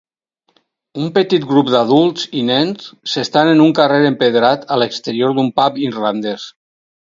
Un petit grup d'adults i nens s'estan en un carrer empedrat a l'exterior d'un pub irlandès.